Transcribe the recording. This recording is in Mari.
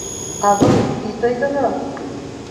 — Авый, ит ойгыро!